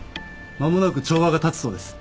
間もなく帳場が立つそうです。